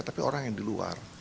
tapi orang yang di luar